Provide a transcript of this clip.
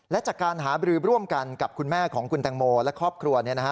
และจากการหาบรือร่วมกันกับคุณแม่ของคุณแตงโมและครอบครัว